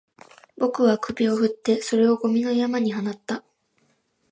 僕は首を振って、それをゴミの山に放った